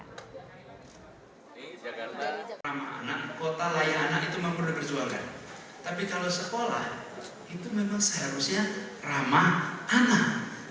kota layanan itu memang perlu berjuang kan tapi kalau sekolah itu memang seharusnya ramah anak